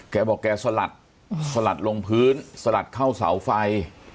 แกบอกแกสลัดสลัดลงพื้นสลัดเข้าเสาไฟ